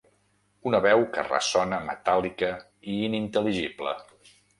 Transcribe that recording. Una veu que ressona metàl·lica i inintel·ligible...